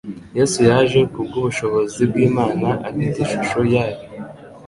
Yesu yaje kubw’ubushobozi bw’Imana, afite ishusho yayo